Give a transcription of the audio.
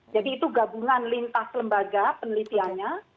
jadi itu gabungan lintas lembaga penelitiannya